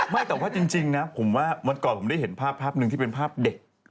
ไม่แต่ว่าจริงนะผมว่าวันก่อนผมได้เห็นภาพภาพหนึ่งที่เป็นภาพเด็ก